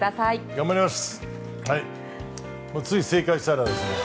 頑張ります！